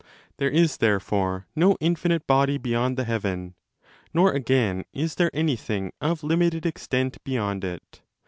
There is therefore no infinite body beyond the heaven. Nor again is there anything of limited extent beyond it.